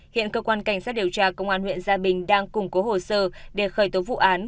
hiện cơ quan cảnh sát điều tra công an huyện gia bình đang củng cố hồ sơ để khởi tố vụ án